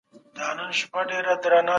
آیا مسلمانان د ذمیانو حقونه مراعاتوي؟